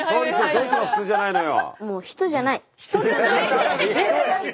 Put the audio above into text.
どういうのが普通じゃないのよ？